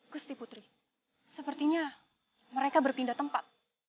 gusti putri sepertinya mereka berpindah tempat